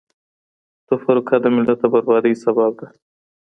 تفرقه د ملت د بربادۍ سبب ده.